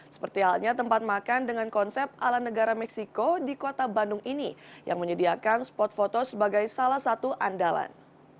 seperti halnya tempat makan dengan konsep ala negara meksiko di kota bandung ini yang menyediakan spot foto sebagai salah satu andalan